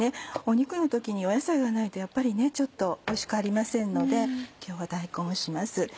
肉の時に野菜がないとやっぱりちょっとおいしくありませんので今日は大根をします。